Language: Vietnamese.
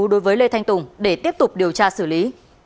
đối với lê thanh tùng để tiếp tục điều tra xử lý